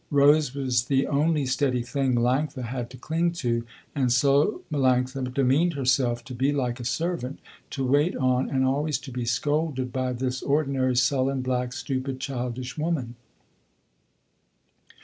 Rose was the only steady thing Melanctha had to cling to and so Melanctha demeaned herself to be like a servant, to wait on, and always to be scolded, by this ordinary, sullen, black, stupid, childish woman.